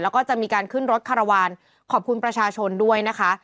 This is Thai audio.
แล้วก็จะมีการขึ้นรถคารวาลขอบคุณประชาชนด้วยนะคะ